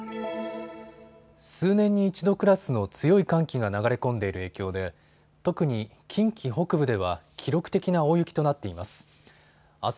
数年に一度クラスの強い寒気が流れ込んでいる影響で特に近畿北部では記録的な大雪となっています。